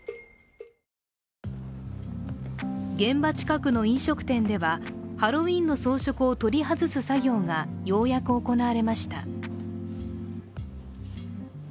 現場近くの飲食店ではハロウィーンの装飾を取り外す作業がようやく行われました。